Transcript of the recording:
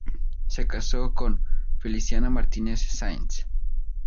Se casó con Feliciana Martínez Sáenz.